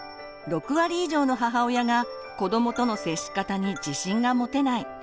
６割以上の母親が子どもとの接し方に自信が持てない。